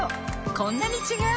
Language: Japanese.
こんなに違う！